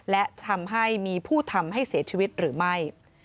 และทำให้มีผู้ทำให้เสียชีวิตหรือไม่